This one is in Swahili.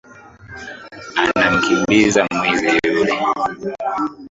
Anamkimbiza mwizi yule